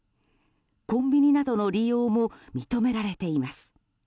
コンビニなどの利用も認められています。